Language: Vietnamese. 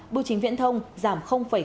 bưu chính viễn thông giảm bốn